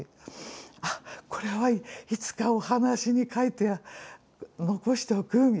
あっこれはいつかお話に書いて残しておくみたいなね